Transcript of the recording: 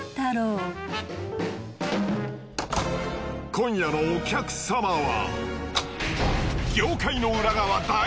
今夜のお客様は。